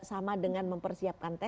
sama dengan mempersiapkan tes